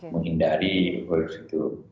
menghindari virus itu